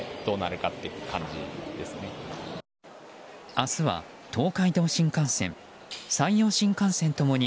明日は東海道新幹線山陽新幹線共に